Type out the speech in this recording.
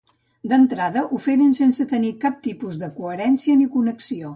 D'entrada ho feren sense tenir cap tipus de coherència ni connexió.